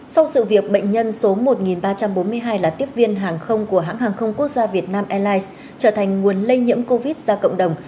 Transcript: sau sự việc bệnh nhân số một ba trăm bốn mươi hai là tiếp viên hàng không của hãng hàng không quốc gia việt nam airlines trở thành nguồn lây nhiễm covid ra cộng đồng